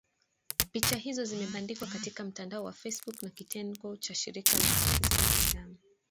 Picha hizo zimebandikwa katika mtandao wa facebook na kitengo cha shirika la haki za binadamu